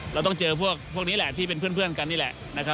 เราต้องเจอพวกนี้แหละที่เป็นเพื่อนกันนี่แหละ